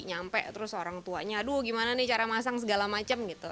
nyampe terus orang tuanya aduh gimana nih cara masang segala macam gitu